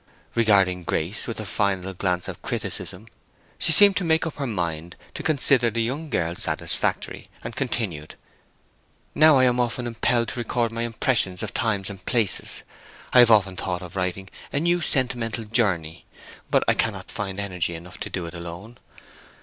Regarding Grace with a final glance of criticism, she seemed to make up her mind to consider the young girl satisfactory, and continued: "Now I am often impelled to record my impressions of times and places. I have often thought of writing a 'New Sentimental Journey.' But I cannot find energy enough to do it alone.